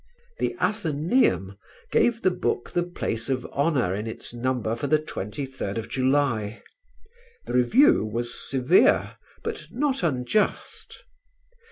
The Athenæum gave the book the place of honour in its number for the 23rd of July. The review was severe; but not unjust.